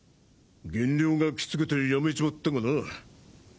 減量がキツくてやめちまったがな。